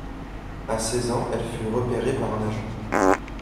À seize ans, elle fut repérée par un agent.